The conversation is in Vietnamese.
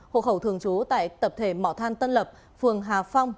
hộ khẩu thường trú tại tập thể mỏ than tân lập phường hà phong